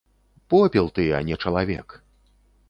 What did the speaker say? Попел ты, а не чалавек.